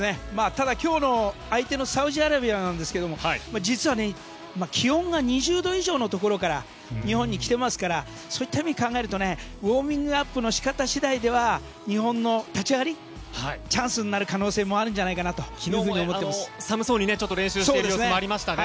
ただ、今日の相手のサウジアラビアなんですが実は気温が２０度以上のところから日本に来ていますからそういった意味で考えるとウォーミングアップの仕方次第では日本の立ち上がりチャンスになる可能性もあるんじゃないかと思っています。